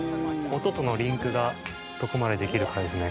音とのリンクがどこまでできるかですね